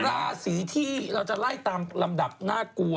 ราศีที่เราจะไล่ตามลำดับน่ากลัว